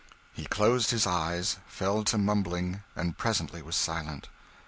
He closed his eyes, fell to mumbling, and presently was silent.